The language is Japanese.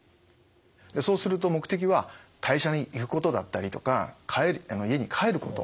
そうすると目的は会社に行くことだったりとか家に帰ること。